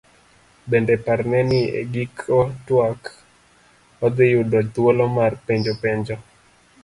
Bende parne ni e giko twak, odhi yudo thuolo mar penjo penjo.